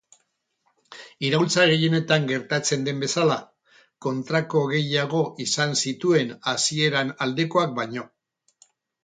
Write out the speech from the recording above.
Iraultza gehienetan gertatzen den bezala, kontrako gehiago izan zituen hasieran aldekoak baino.